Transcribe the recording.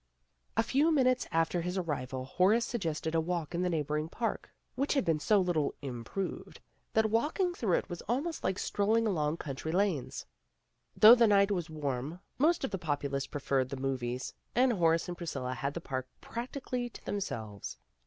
A few minutes after his arrival Horace suggested a walk in the neighboring park, which had been so little "improved" that walking through it was almost like stroll ing along country lanes. Though the night was warm, most of the populace preferred the movies, and Horace and Priscilla had the park practically to themselves.